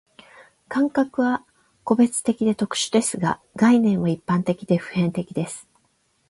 感覚は個別的で特殊ですが、概念は一般的で普遍的です。